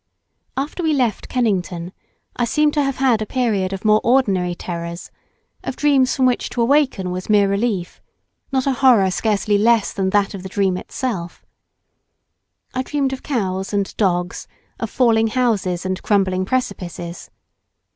After we left Kennington, I seem to have had a period of more ordinary terrors of dreams from which to awaken was mere relief; not a horror scarcely less than that of the dream itself. I dreamed of cows and dogs, of falling houses, and crumbling precipices.